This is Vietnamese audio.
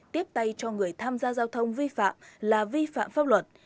tiếp tay cho người tham gia giao thông vi phạm là vi phạm pháp luật